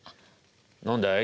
「何だい？」